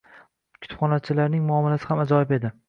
Kutubxonachilarning muomalasi ham ajoyib edi.